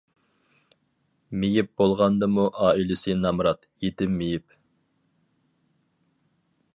مېيىپ بولغاندىمۇ ئائىلىسى نامرات، يېتىم مېيىپ.